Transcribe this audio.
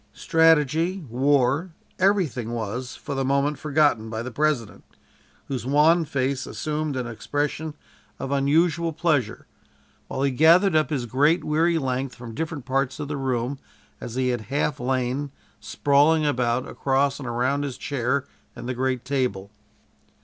Strategy, war, everything was, for the moment forgotten by the President, whose wan face assumed an expression of unusual pleasure, while he gathered up his great, weary length from different parts of the room as he had half lain, sprawling about, across and around his chair and the great table.